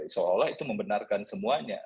seolah olah itu membenarkan semuanya